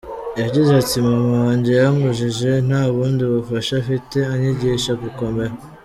Yagize ati "Mama wanjye yankujije nta bundi bufasha afite anyigisha gukomera.